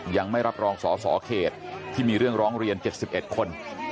ยังไม่รับรองสอสอเขตที่มีเรื่องร้องเรียน๗๑คน